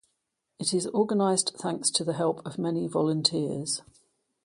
It is organized thanks to the help of many volunteers.